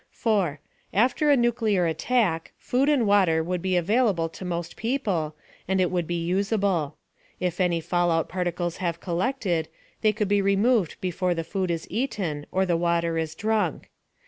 4. After a nuclear attack, food and water would be available to most people, and it would be usable. If any fallout particles have collected, they could be removed before the food is eaten or the water is drunk.